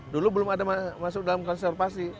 dulu belum ada masuk dalam konservasi